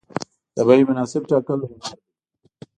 د بیې مناسب ټاکل هنر دی.